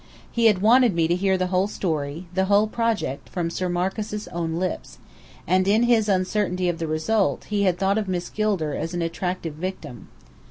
He had wanted me to hear the whole story, the whole project, from Sir Marcus' own lips; and in his uncertainty of the result, he had thought of Miss Gilder as an attractive "victim."